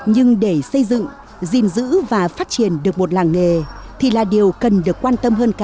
nhưng để xây dựng gìn giữ và phát triển được một làng nghề thì là điều cần được quan tâm hơn cả